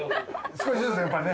少しずつやっぱね。